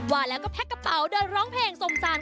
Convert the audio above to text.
ว่าแล้วก็แพ็กกระเป๋าเดินร้องเพลงสงสาร